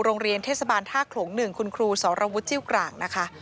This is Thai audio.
โรงเรียนเทศบาลท่าโขลง๑คุณครูสรวุฒิจิ้วกลางนะคะ